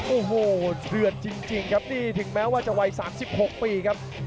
โอ้โฮเดือนจริงถึงแม้ว่าจะไว๓๖ปีครับ